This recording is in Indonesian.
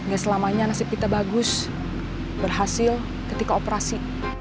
gak selamanya nasib kita bagus berhasil ketika operasi